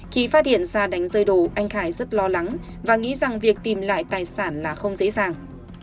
khi phát hiện ra đánh rơi đồ anh khải rất lo lắng và nghĩ rằng việc tìm lại tài sản là không dễ dàng